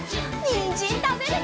にんじんたべるよ！